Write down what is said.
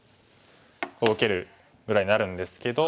こう受けるぐらいになるんですけど。